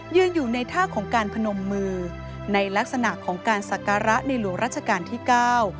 อยู่ในท่าของการพนมมือในลักษณะของการศักระในหลวงราชการที่เก้า